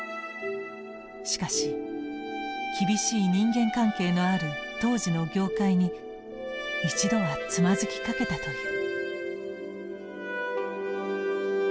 しかし厳しい人間関係のある当時の業界に一度はつまずきかけたという。